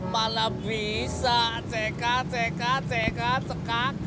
mana bisa cekak cekak cekak cekak